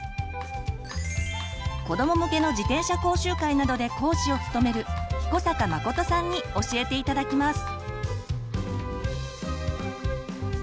子ども向けの自転車講習会などで講師を務める彦坂誠さんに教えて頂きます。